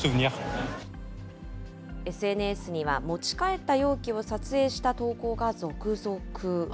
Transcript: ＳＮＳには、持ち帰った容器を撮影した投稿が続々。